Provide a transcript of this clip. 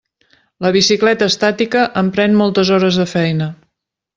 La bicicleta estàtica em pren moltes hores de feina.